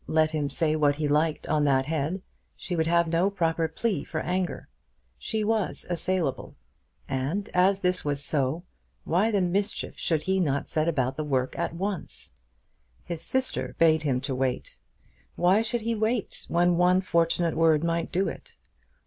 Let him say what he liked on that head, she would have no proper plea for anger. She was assailable; and, as this was so, why the mischief should he not set about the work at once? His sister bade him to wait. Why should he wait when one fortunate word might do it?